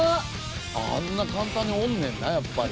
あんな簡単におんねんなやっぱり。